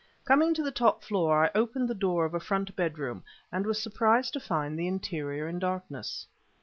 Coming to the top floor, I opened the door of a front bedroom and was surprised to find the interior in darkness.